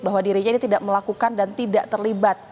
bahwa dirinya ini tidak melakukan dan tidak terlibat